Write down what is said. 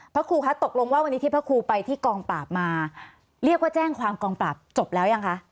พระครูคะตกลงว่าวันนี้ที่พระครูไปที่กองปราบมาเรียกว่าแจ้งความกองปราบจบแล้วยังคะ